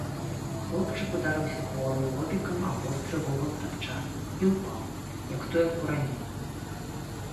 Хлопчык ударыўся кволым лобікам аб востры вугал тапчана і ўпаў, як тое куранё.